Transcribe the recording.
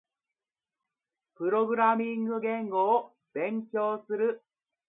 プログラミング言語を勉強する。